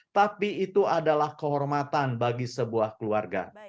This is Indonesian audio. tapi itu adalah kehormatan bagi sebuah keluarga